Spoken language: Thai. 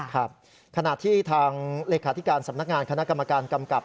ครับขณะที่ทางเลขาธิการสำนักงานคณะกรรมการกำกับ